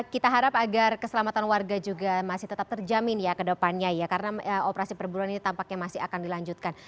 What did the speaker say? kita harap agar keselamatan warga juga masih tetap terjamin ya ke depannya ya karena operasi perburuan ini tampaknya masih akan dilanjutkan